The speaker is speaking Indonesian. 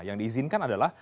yang diizinkan adalah